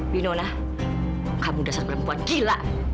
bih nona kamu dasar perempuan gila